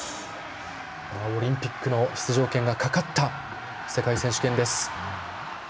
オリンピックの出場権がかかった世界選手権です。